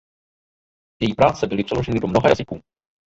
Její práce byly přeloženy do mnoha jazyků.